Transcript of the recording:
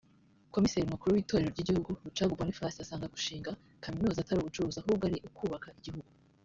Komiseri mukuru w’itorero ry’igihugu Rucagu Boniface asanga gushinga kaminuza atari ubucuruzi ahubwo ari ukubaka igihugu